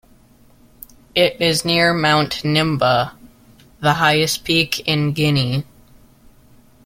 It is near Mount Nimba, the highest peak in Guinea.